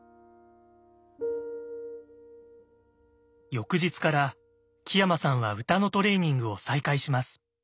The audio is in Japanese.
翌日から木山さんは歌のトレーニングを再開します。